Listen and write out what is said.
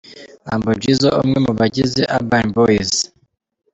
Humble Jizzo umwe mu bagize Urban Boys.